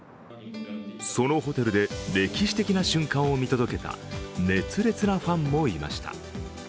そのホテルで、歴史的な瞬間を見届けた熱烈なファンもいました。